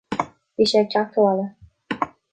Bhí sé ag teacht abhaile